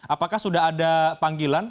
apakah sudah ada panggilan